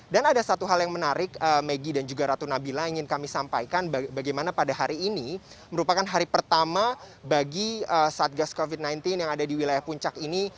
dan ada satu hal yang menarik maggie dan juga ratu nabila ingin kami sampaikan bagaimana pada hari ini merupakan hari pertama bagi satgas covid sembilan belas yang ada di wilayah puncak ini